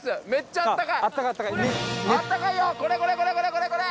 これこれ。